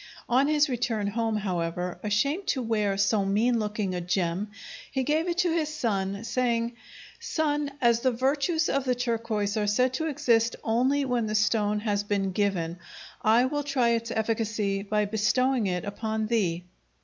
On his return home, however, ashamed to wear so mean looking a gem, he gave it to his son, saying, "Son, as the virtues of the turquoise are said to exist only when the stone has been given, I will try its efficacy by bestowing it upon thee."